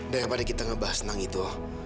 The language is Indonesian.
daripada kita ngebahas senang itu